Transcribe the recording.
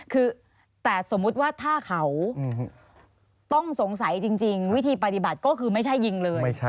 คือแต่สมมุติว่าถ้าเขาต้องสงสัยจริงวิธีปฏิบัติก็คือไม่ใช่ยิงเลย